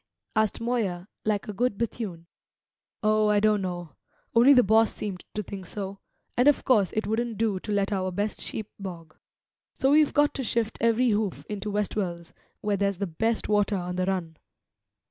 asked Moya, like a good Bethune. "Oh, I don't know; only the boss seemed to think so; and of course it wouldn't do to let our best sheep bog. So we've got to shift every hoof into Westwells, where there's the best water on the run."